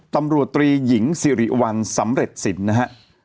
๑๐ตำรวจตรีหญิงซีรีส์๑สำเร็จสินนะฮะ